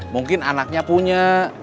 mungkin anaknya punya